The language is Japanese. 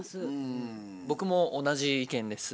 僕も同じ意見です。